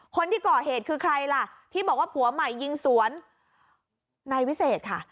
คนที่ก่อเหตุคือใครล่ะที่บอกว่าผัวใหม่ยิงสวนนายวิเศษค่ะ